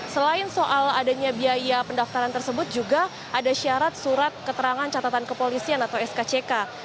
selain soal adanya biaya pendaftaran tersebut juga ada syarat surat keterangan catatan kepolisian atau skck